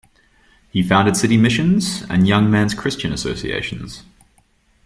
He founded City Missions and Young Men's Christian Associations.